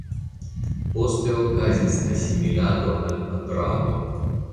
Poste okazis asimilado al Adrado.